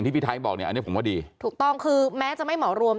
พี่ไทยบอกเนี่ยอันนี้ผมว่าดีถูกต้องคือแม้จะไม่เหมารวม